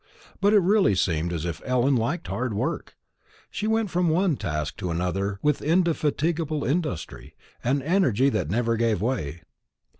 But it really seemed as if Ellen liked hard work. She went from one task to another with an indefatigable industry, an energy that never gave way.